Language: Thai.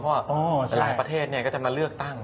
เพราะหลายประเทศก็จะมาเลือกตั้ง